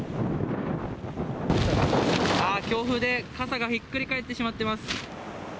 あ、強風で傘がひっくり返ってしまっています。